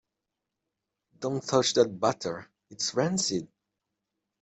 Don't touch that butter. It's rancid!